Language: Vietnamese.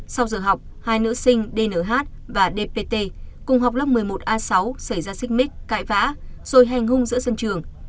sau giờ học hai nữ sinh dnh và dpt cùng học lớp một mươi một a sáu xảy ra xích mít cãi vã rồi hành hung giữa sân trường